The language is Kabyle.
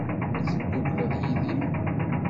Ad teddukleḍ yid-i?